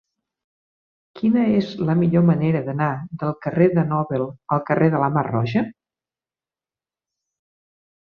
Quina és la millor manera d'anar del carrer de Nobel al carrer de la Mar Roja?